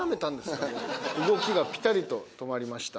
動きがピタリと止まりました。